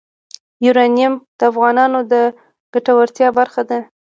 یورانیم د افغانانو د ګټورتیا برخه ده.